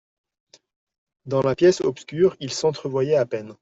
Dans la pièce obscure, ils s'entrevoyaient à peine.